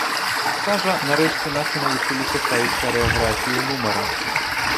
Кажа, нарэшце нашы навучыліся ставіць харэаграфію нумара.